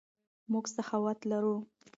موږ سخاوت لرو.